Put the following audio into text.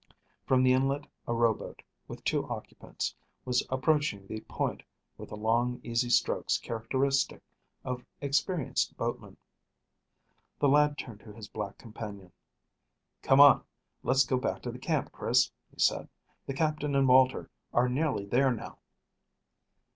From the inlet a rowboat, with two occupants, was approaching the point with the long easy strokes characteristic of experienced boatmen. The lad turned to his black companion. "Come on, let's go back to camp, Chris," he said. "The Captain and Walter are nearly there now."